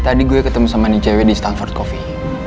tadi gue ketemu sama nih cewek di stamford coffee